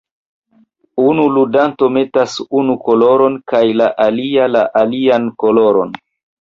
Unu ludanto metas unu koloron kaj la alia la alian koloron.